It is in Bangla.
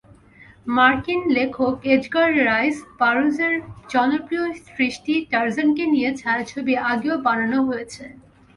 মার্কিন লেখক এডগার রাইস বারোজের জনপ্রিয় সৃষ্টি টারজানকে নিয়ে ছায়াছবি আগেও বানানো হয়েছে।